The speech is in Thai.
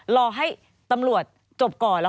รอให้ตำรวจจบก่อน